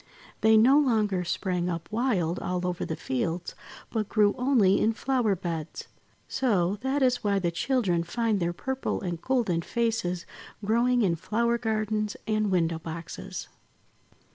They no longer sprang up wild all over the fields, but grew only in flower beds. So, that is why the children find their purple and golden faces growing in flower gardens and window boxes.